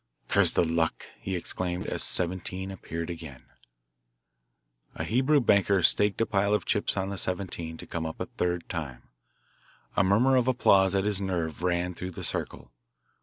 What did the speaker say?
"Curse the luck!" he exclaimed, as "17" appeared again. A Hebrew banker staked a pile of chips on the "17" to come up a third time. A murmur of applause at his nerve ran through the circle.